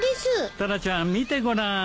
タラちゃん見てごらん。